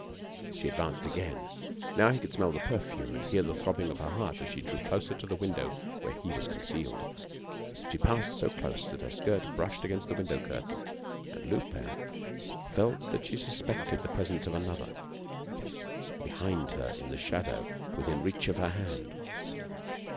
She advanced again. Now he could smell the perfume, and hear the throbbing of her heart as she drew closer to the window where he was concealed. She passed so close that her skirt brushed against the window curtain, and Lupin felt that she suspected the presence of another, behind her, in the shadow, within reach of her hand.